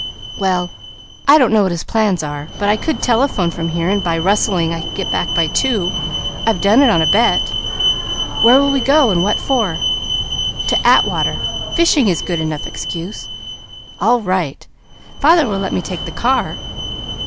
"Well I don't know what his plans are, but I could telephone from here and by rustling I could get back by two. I've done it on a bet. Where will we go, and what for?" "To Atwater. Fishing is good enough excuse." "All right! Father will let me take the car."